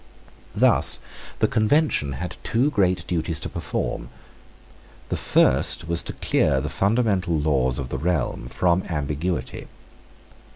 Thus the Convention had two great duties to perform. The first was to clear the fundamental laws of the realm from ambiguity.